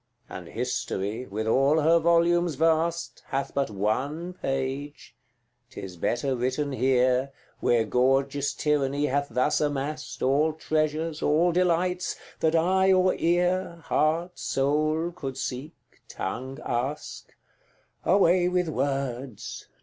And History, with all her volumes vast, Hath but ONE page, 'tis better written here, Where gorgeous Tyranny hath thus amassed All treasures, all delights, that eye or ear, Heart, soul could seek, tongue ask Away with words!